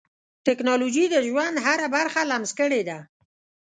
ټکنالوجي د ژوند هره برخه لمس کړې ده.